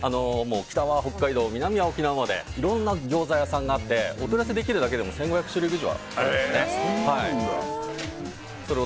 北は北海道、南は沖縄までいろんなギョーザ屋さんがあってお取り寄せできるだけでも１５００種類以上ありますから。